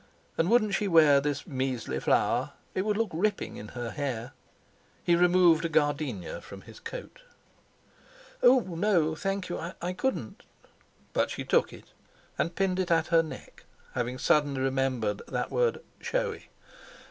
And wouldn't she wear this "measly flower". It would look ripping in her hair. He removed a gardenia from his coat. "Oh! No, thank you—I couldn't!" But she took it and pinned it at her neck, having suddenly remembered that word "showy".